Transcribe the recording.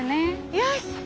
よし。